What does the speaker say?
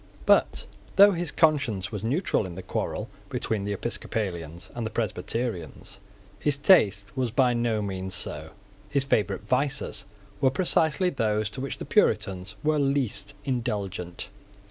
But, though his conscience was neutral in the quarrel between the Episcopalians and the Presbyterians, his taste was by no means so. His favourite vices were precisely those to which the Puritans were least indulgent.